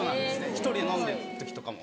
１人で飲んでる時とかも。